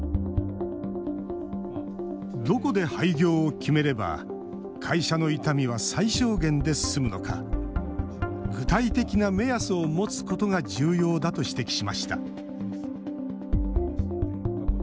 どこで廃業を決めれば会社の痛みは最小限で済むのか具体的な目安を持つことが重要だと指摘しました。